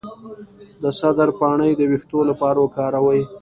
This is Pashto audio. د سدر پاڼې د ویښتو لپاره وکاروئ